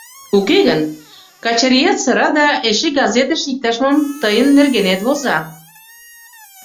Уке гын, Качырият сыра да эше газетыш иктаж-мом тыйын нергенет воза.